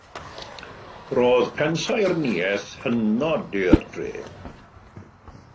Roedd pensaernïaeth hynod i'r dref.